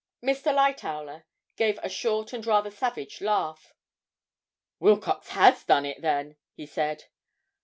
Mr. Lightowler gave a short and rather savage laugh. 'Wilcox has done it, then!' he said.